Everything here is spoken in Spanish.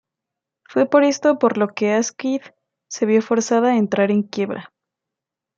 Fue por esto por lo que Asquith se vio forzada a entrar en quiebra.